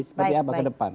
seperti apa ke depan